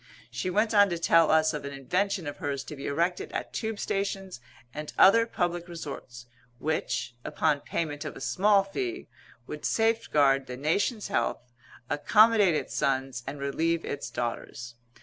She went on to tell us of an invention of hers to be erected at Tube stations and other public resorts, which, upon payment of a small fee, would safeguard the nation's health, accommodate its sons, and relieve its daughters.